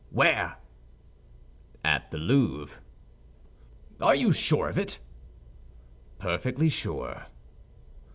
"Where?" "At the Louvre." "Are you sure of it?" "Perfectly sure."